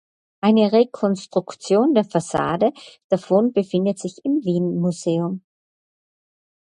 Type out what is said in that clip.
Eine Rekonstruktion der Fassade davon befindet sich im Wien Museum.